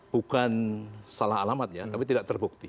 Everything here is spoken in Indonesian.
bukan salah alamat ya tapi tidak terbukti